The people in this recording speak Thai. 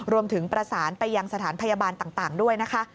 รวมถึงประสานไปยังสถานพยาบาลต่างด้วยนะคะ